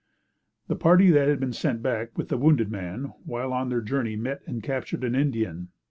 The party that had been sent back with the wounded man, while on their journey met and captured an Indian.